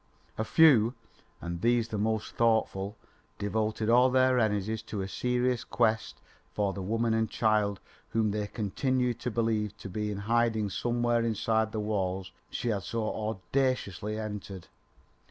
A few, and these the most thoughtful, devoted all their energies to a serious quest for the woman and child whom they continued to believe to be in hiding somewhere inside the walls she had so audaciously entered.